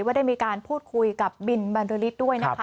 ได้มีการพูดคุยกับบินบรรลือฤทธิ์ด้วยนะคะ